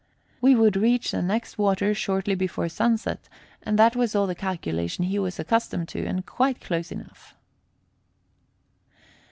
We would reach the next water shortly before sunset, and that was all the calculation he was accustomed to, and quite close enough.